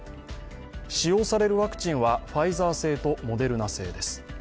使用されるワクチンはファイザー製とモデルナ製です。